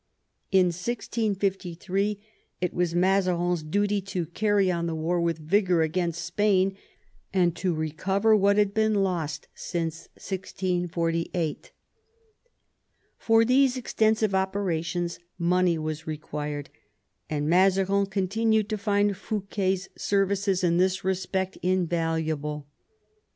In 1653 it was Mazarin's duty to carry on the war with vigour against Spain, and to recover what had been lost since 1648. For these extensive operations money was required, and Mazarin continued to find Fouquet's services in this respect invaluable.